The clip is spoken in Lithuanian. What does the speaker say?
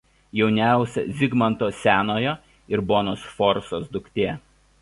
Jauniausia Zigmanto Senojo ir Bonos Sforcos duktė.